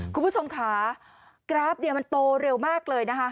คุณผู้ชมค่ะกราฟเนี่ยมันโตเร็วมากเลยนะคะ